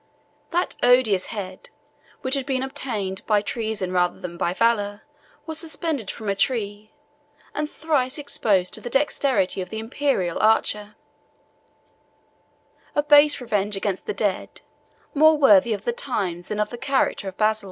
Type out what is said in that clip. That odious head, which had been obtained by treason rather than by valor, was suspended from a tree, and thrice exposed to the dexterity of the Imperial archer; a base revenge against the dead, more worthy of the times than of the character of Basil.